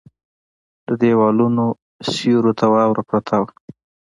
د ديوالونو سيورو ته واوره پرته وه.